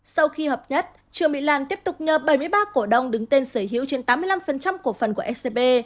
sau khi hợp nhất trương mỹ lan tiếp tục nhờ bảy mươi ba cổ đông đứng tên sở hữu trên tám mươi năm cổ phần của scb